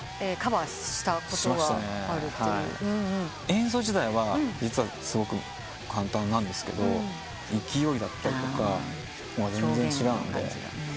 演奏自体は実はすごく簡単なんですけど勢いだったりとか全然違うんで。